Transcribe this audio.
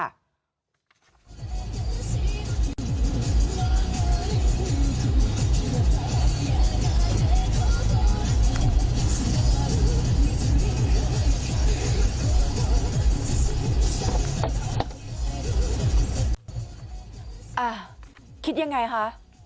อ่ะคิดยังไงคะ